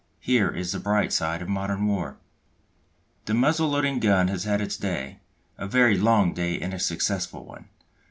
Here is the bright side of modern war. The muzzle loading gun has had its day, a very long day and a successful one.